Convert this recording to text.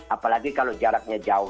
apalagi kalau jaraknya jauh